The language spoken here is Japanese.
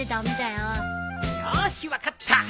よーし分かった。